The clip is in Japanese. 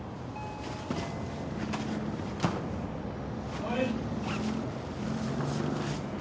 ・はい。